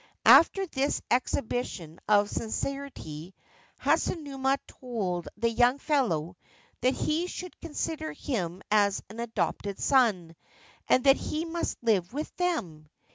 After this exhibition of sincerity Hasunuma told the young fellow that he should consider him as an adopted son, and that he must live with them.